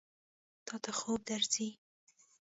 تا ته خوب درځي؟